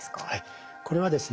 これはですね